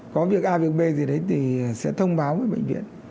có việc a việc b gì đấy thì sẽ thông báo với bệnh viện